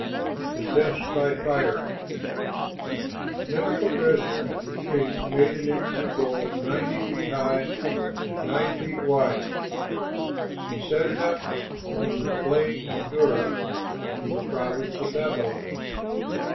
THE TEST BY FIRE Nebuchadrezzar, the king, made an image of gold ninety feet high and nine feet wide. He set it up in the plain of Dura, in the province of Babylon.